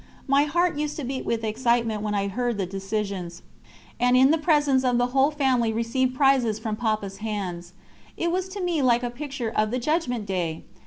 My heart used to beat with excitement when I heard the decisions, and in presence of the whole family received prizes from Papa's hands. It was to me like a picture of the Judgment Day!